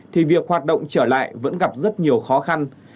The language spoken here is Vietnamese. thì việc hoạt động trở lại vẫn gặp rất nhiều khó khăn